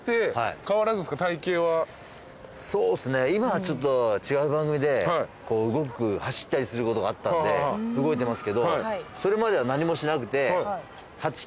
今はちょっと違う番組で動く走ったりすることがあったんで動いてますけどそれまでは何もしなくて。